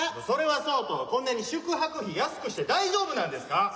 それはそうとこんなに宿泊費安くして大丈夫なんですか？